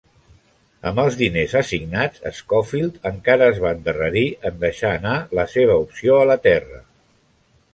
Amb els diners assignats, Schofield encara es va endarrerir en deixar anar la seva opció a la terra.